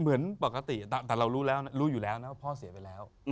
เหมือนปกติแต่เรารู้แล้วรู้อยู่แล้วนะว่าพ่อเสียไปแล้ว